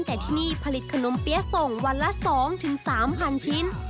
แต่ที่นี่ผลิตขนมเปี๊ยะส่งวันละ๒๓๐๐ชิ้น